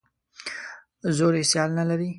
زور یې سیال نه لري.